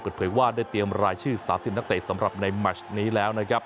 เปิดเผยว่าได้เตรียมรายชื่อ๓๐นักเตะสำหรับในแมชนี้แล้วนะครับ